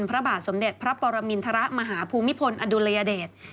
พระบาทสมเด็จพระปรมินทรมาหาภูมิพลอดุลยเดช